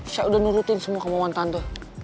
saya udah nurutin semua kemauan tante